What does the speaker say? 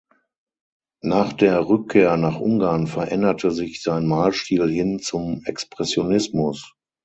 Nach der Rückkehr nach Ungarn veränderte sich sein Malstil hin zum Expressionismus.